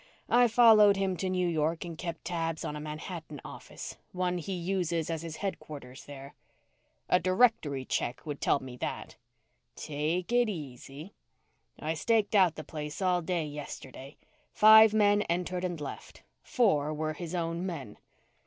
"I followed him to New York and kept tabs on a Manhattan office, one he uses as his headquarters there." "A directory check would tell me that." "Take it easy. I staked out the place all day yesterday. Five men entered and left. Four were his own men."